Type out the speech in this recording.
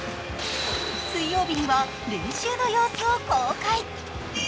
水曜日には練習の様子を公開。